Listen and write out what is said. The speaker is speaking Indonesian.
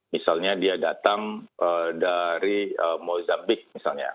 misalnya dia datang dari mozabik misalnya